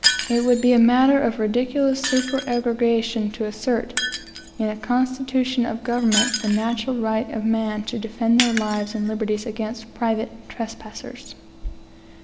It would be a matter of ridiculous supererogation to assert, in a constitution of government, the natural right of men to defend their lives and liberties against private trespassers.